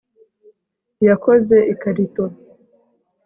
yakoze ikarito